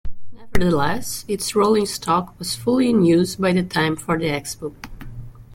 Nevertheless, its rolling stock was fully in use by the time for the Expo.